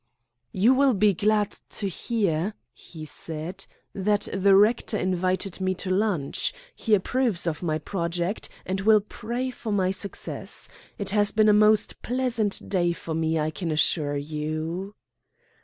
"You will be glad to hear," he said, "that the rector invited me to lunch. He approves of my project, and will pray for my success. It has been a most pleasant day for me, I can assure you."